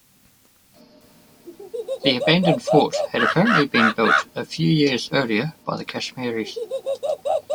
The abandoned fort had apparently been built a few years earlier by the Kashmiris.